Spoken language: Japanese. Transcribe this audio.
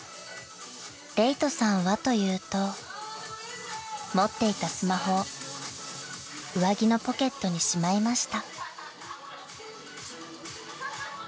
［礼人さんはというと持っていたスマホを上着のポケットにしまいました］